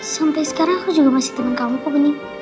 sampai sekarang aku juga masih temen kamu boni